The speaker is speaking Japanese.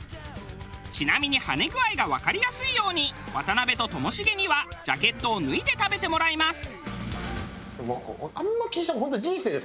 ちなみにハネ具合がわかりやすいように渡辺とともしげにはジャケットを脱いで食べてもらいます。